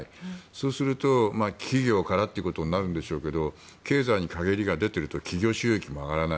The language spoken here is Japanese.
そうすると企業からということになるんでしょうけど経済に陰りが出ていると企業収益も上がらない。